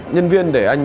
nhân viên để anh